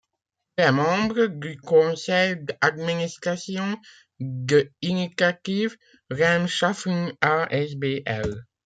Elle est membre du conseil d’administration de Initiativ Rëm Schaffen a.s.b.l.